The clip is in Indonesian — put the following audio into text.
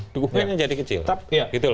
dukungannya jadi kecil